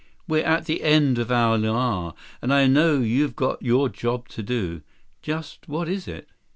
"We're at the end of our luau, and I know you've got your job to do. Just what is it?